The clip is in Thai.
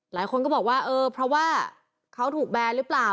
หลายคนก็บอกว่าเออเพราะว่าเขาถูกแบนหรือเปล่า